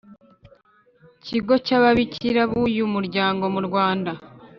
Kigo cy Ababikira b uyu Muryango mu Rwanda